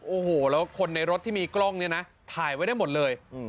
โอ้โหแล้วคนในรถที่มีกล้องเนี่ยนะถ่ายไว้ได้หมดเลย